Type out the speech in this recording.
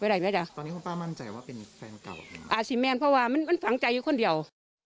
อาจมีแมงเพราะว่ามันฟังใจที่คนเดียว